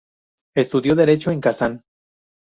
Estudió Derecho en Kazán.